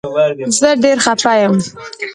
زه ډير خفه يم